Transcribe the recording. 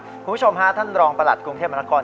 คุณผู้ชมฮะท่านรองประหลัดกรุงเทพมนาคม